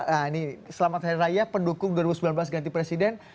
nah ini selamat hari raya pendukung dua ribu sembilan belas ganti presiden